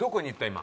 今。